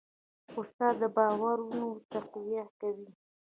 استاد د باورونو تقویه کوي.